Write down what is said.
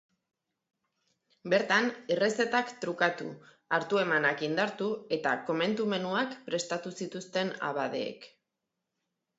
Bertan, errezetak trukatu, hartu-emanak indartu eta komentu-menuak prestatu zituzten abadeek.